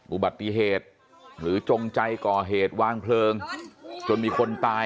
อุบัติเหตุหรือจงใจก่อเหตุวางเพลิงจนมีคนตาย